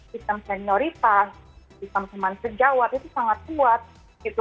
sistem senioritas sistem kemanseg jawat itu sangat kuat gitu